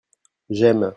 J'aime.